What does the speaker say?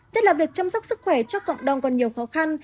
tức là việc chăm sóc sức khỏe cho cộng đồng còn nhiều khó khăn